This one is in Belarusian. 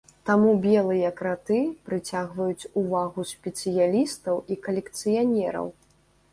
Таму белыя краты прыцягваюць увагу спецыялістаў і калекцыянераў.